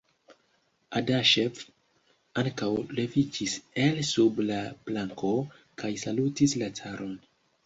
Adaŝev ankaŭ leviĝis el sub la planko, kaj salutis la caron.